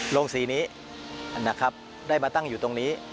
โรงสีนี้ได้มาตั้งอยู่ตรงนี้